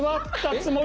つもり？